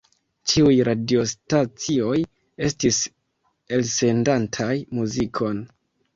Ĉiuj radiostacioj estis elsendantaj muzikon.